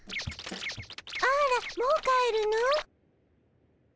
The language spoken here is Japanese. あらもう帰るの？